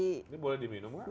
ini boleh diminum gak